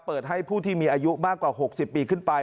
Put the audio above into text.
ให้ผู้ที่มีอายุมากกว่า๖๐ปีขึ้นไป